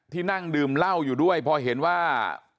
นั่งดื่มเหล้าอยู่ด้วยพอเห็นว่า